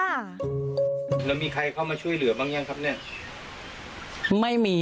แล้วมีใครเข้ามาช่วยเหลือบ้างยังครับเนี่ยไม่มี